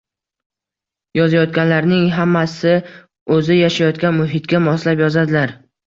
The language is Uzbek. Yozayotganlarning hammasi o’zi yashayotgan muhitga moslab yozadilar